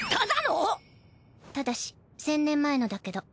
ただし１０００年前のだけど。